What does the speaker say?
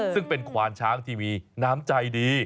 ซึ่งเป็นขวานช้างทีวีน้ำใจดี